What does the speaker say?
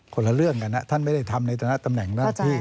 คนละเรื่องกันนะท่านไม่ได้ทำในฐานะตำแหน่งหน้าที่